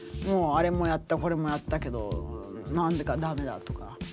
もうあれもやったこれもやったけどなんでかダメだとか。